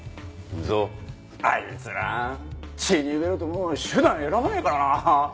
あいつら血に飢えるともう手段選ばないからな。